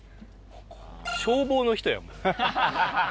消防の人やん。